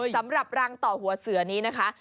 สำหรับรังต่อหัวเสือนี้นะคะ